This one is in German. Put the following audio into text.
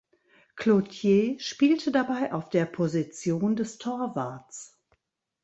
Cloutier spielte dabei auf der Position des Torwarts.